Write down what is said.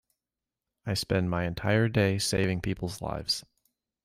I spend my entire day saving people's lives.